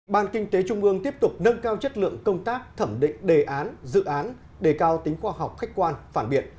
ban kinh tế trung ương tiếp tục nâng cao chất lượng công tác thẩm định đề án dự án đề cao tính khoa học khách quan phản biện